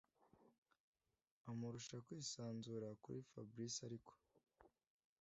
amurusha kwisanzura kuri Fabric ariko